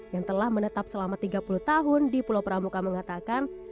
yang telah menetap selama tiga puluh tahun di pulau pramuka mengatakan